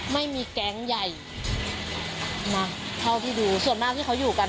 ไม่มีแก๊งใหญ่มาเท่าที่ดูส่วนมากที่เขาอยู่กัน